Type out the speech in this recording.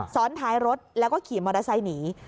ซ้อนท้ายรถแล้วก็ขี่มอเตอร์ไซค์หนี